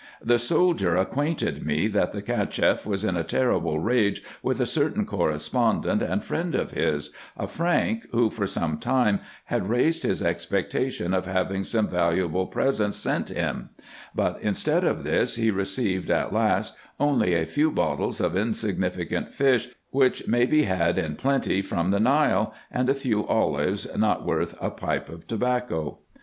The soldier acquainted me, that the Cacheff was in a terrible rage with a certain correspondent and friend of his, a Frank, who for some time had raised his expectation of having some valuable pre sents sent him ; but, instead of this, he received at last only a few bottles of insignificant fish, which may be had in plenty from IN EGYPT, NUBIA, &c. 127 the Nile, and a few olives, not worth a pipe of tobacco.